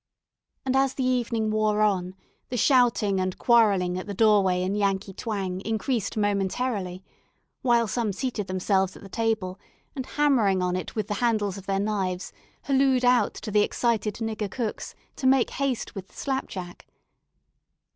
And as the evening wore on, the shouting and quarrelling at the doorway in Yankee twang increased momentarily; while some seated themselves at the table, and hammering upon it with the handles of their knives, hallooed out to the excited nigger cooks to make haste with the slapjack.